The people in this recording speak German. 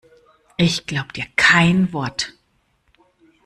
Ich glaub dir kein Wort!